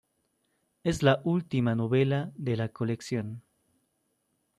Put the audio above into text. Es la última novela de la colección.